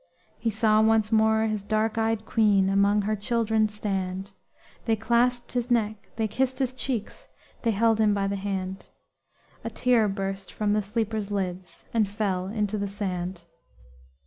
He saw once more his dark eyed queen Among her children stand; They clasped his neck, they kissed his cheeks, They held him by the hand! A tear burst from the sleeper's lids And fell into the sand.